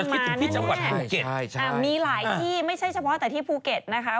ต้องมานั่นแหละมีหลายที่ไม่ใช่เฉพาะแต่ที่ภูเก็ตนะคะ